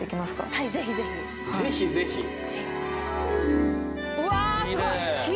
はいぜひぜひぜひぜひうわあすごい！